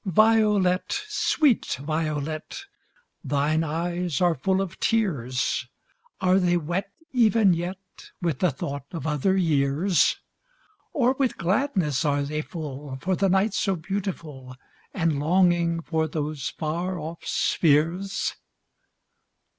Violet! sweet violet! Thine eyes are full of tears; Are they wet Even yet With the thought of other years? Or with gladness are they full, For the night so beautiful, And longing for those far off spheres?